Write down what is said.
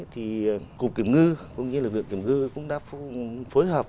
thì cục kiểm ngư cũng như lực lượng kiểm ngư cũng đã phối hợp